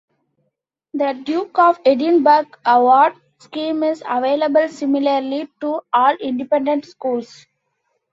The Duke of Edinburgh Award scheme is available similarly to all independent schools.